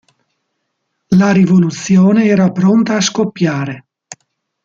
La rivoluzione era pronta a scoppiare.